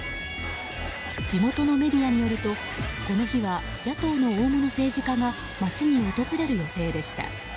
地元のメディアによるとこの日は野党の大物政治家が街に訪れる予定でした。